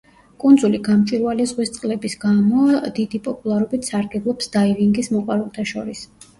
კუნძული გამჭვირვალე ზღვის წყლების გამო დიდი პოპულარობით სარგებლობს დაივინგის მოყვარულთა შორის.